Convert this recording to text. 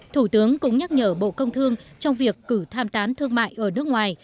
thủ tướng cũng nhắc nhở bộ công thương trong việc cử tham tán thương mại ở nước ngoài